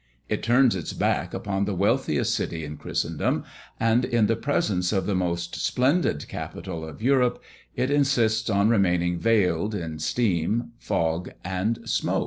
It turns its back upon the wealthiest city in Christendom; and, in the presence of the most splendid capital of Europe, it insists on remaining veiled in steam, fog, and smoke.